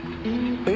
えっ？